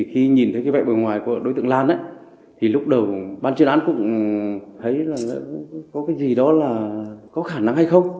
khi nhìn thấy vẹn bờ ngoài của đối tượng lan lúc đầu ban chuyên án cũng thấy có gì đó là có khả năng hay không